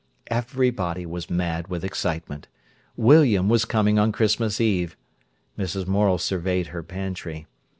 Everybody was mad with excitement. William was coming on Christmas Eve. Mrs. Morel surveyed her pantry.